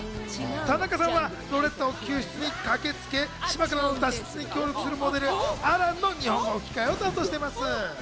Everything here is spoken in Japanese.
田中さんはロレッタを救出に駆けつけ、島からの脱出に協力するモデル、アランの日本語吹き替えを担当しています。